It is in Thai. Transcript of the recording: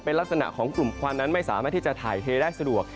เป็นลักษณะของกลุ่มควันนั้นไม่สามารถที่จะถ่ายเทได้สะดวก